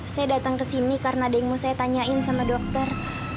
saya datang ke sini karena ada yang mau saya tanyain sama dokter